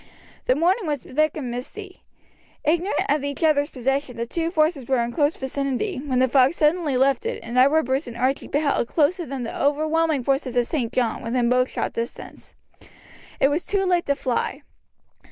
The morning was thick and misty. Ignorant of each other's position, the two forces were in close vicinity, when the fog suddenly lifted, and Edward Bruce and Archie beheld close to them the overwhelming force of St. John, within bowshot distance. It was too late to fly.